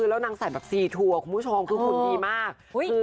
แล้วนางใส่แบบซีทัวร์คุณผู้ชมคือหุ่นดีมาก